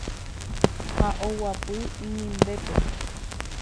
ha oguapy inimbépe.